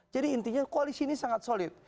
jadi intinya koalisi ini sangat solid